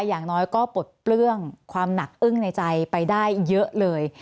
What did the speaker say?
อย่างน้อยก็ปลดเปลื้องความหนักอึ้งในใจไปได้เยอะเลย